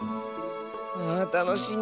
あたのしみ。